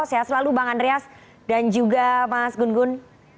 sehat selalu bang andreas dan juga mas gun gun